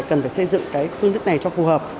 cần phải xây dựng cái phương thức này cho phù hợp